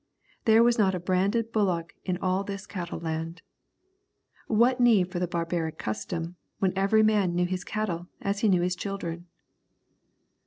There was not a branded bullock in all this cattle land. What need for the barbaric custom when every man knew his cattle as he knew his children?